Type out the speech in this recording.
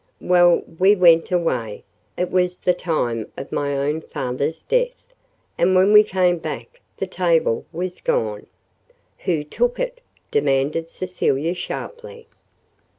Well, we went away it was the time of my own father's death and when we came back the table was gone." "Who took it?" demanded Cecilia sharply.